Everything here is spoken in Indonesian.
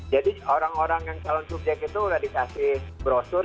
jadi orang orang yang calon subjek itu udah dikasih brosur